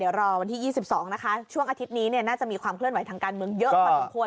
เดี๋ยวรอวันที่๒๒นะคะช่วงอาทิตย์นี้น่าจะมีความเคลื่อนไหวทางการเมืองเยอะพอสมควร